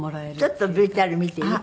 ちょっとＶＴＲ見ていい？